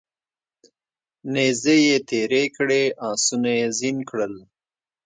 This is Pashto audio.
نیزې یې تیرې کړې اسونه یې زین کړل